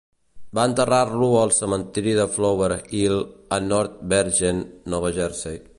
Van enterrar-lo al cementiri de Flower Hill a North Bergen, Nova Jersey.